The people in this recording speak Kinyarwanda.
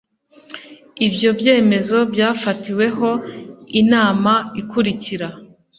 ibyo byemezo byafatiweho inama ikurikira